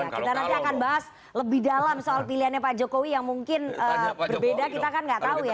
kita nanti akan bahas lebih dalam soal pilihannya pak jokowi yang mungkin berbeda kita kan nggak tahu ya